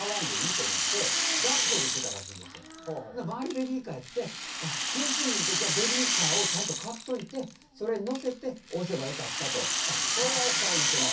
ベビーカーで「あ！健診日の時はベビーカーをちゃんと買っといてそれに乗せて押せばよかった」とそれは奥さんは言ってました。